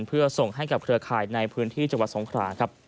เพื่อส่งให้กับเครือข่ายในพื้นที่จังหวัดสงขราครับ